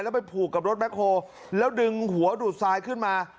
แล้วไปผูกกับรถแคคโฮแล้วดึงหัวดูดทรายขึ้นมา